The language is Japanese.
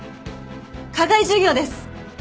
課外授業です。